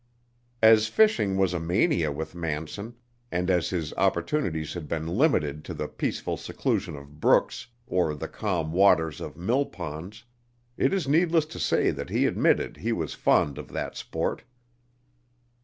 As fishing was a mania with Manson, and as his opportunities had been limited to the peaceful seclusion of brooks, or the calm waters of mill ponds, it is needless to say that he admitted he was fond of that sport.